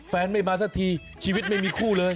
ไม่มาสักทีชีวิตไม่มีคู่เลย